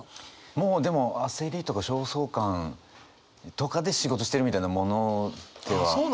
もうでも焦りとか焦燥感とかで仕事してるみたいなものではありますからね。